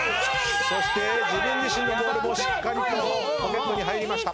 そして自分自身のボールもしっかりとポケットに入りました。